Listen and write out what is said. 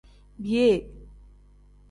Biyee.